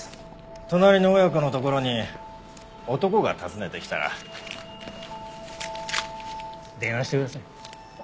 隣の親子のところに男が訪ねてきたら電話してください。